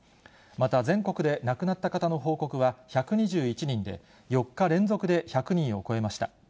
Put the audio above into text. また、全国で亡くなった方の報告は１２１人で、４日連続で１００人を超えました。